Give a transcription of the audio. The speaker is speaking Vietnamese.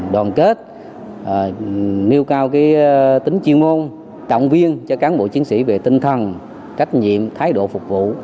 đoàn kết nêu cao tính chuyên môn động viên cho cán bộ chiến sĩ về tinh thần trách nhiệm thái độ phục vụ